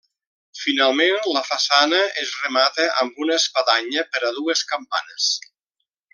Finalment, la façana es remata amb una espadanya per a dues campanes.